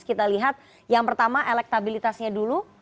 kita lihat yang pertama elektabilitasnya dulu